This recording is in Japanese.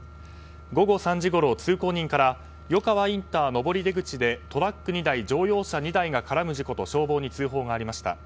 午後３時ごろ通行人から吉川インター上り出口でトラック２台乗用車２台が絡む事故と消防に通報がありました。